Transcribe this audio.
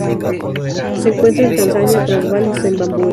Se encuentra en Tanzania, Transvaal y Zimbabue.